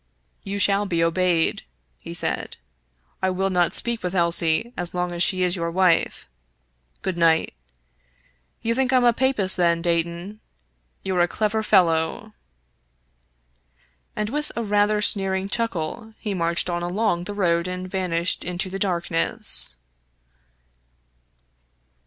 " You shall be obeyed," he said. " I will not speak with Elsie as long as she is your wife. Good night. You think I'm a Papist, then, Dayton ? You're a clever fellow !" And with rather a sneering chuckle he marched on along the road and vanished into the darkness.